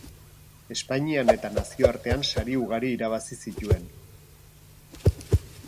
Espainian eta nazioartean sari ugari irabazi zituen.